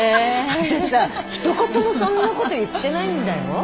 私さ一言もそんなこと言ってないんだよ。